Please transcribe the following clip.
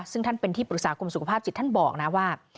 ซึ่งท่านเป็นที่ปรึกษากรมสุขภาพจิตท่านบอกนะว่า